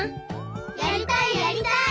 やりたいやりたい！